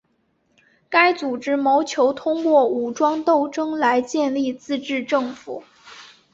该组织谋求通过武装斗争来建立自治政府。